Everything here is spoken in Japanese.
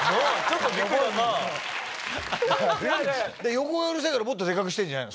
横がうるさいからもっとデカくしてんじゃないの？